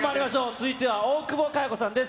続いては大久保佳代子さんです。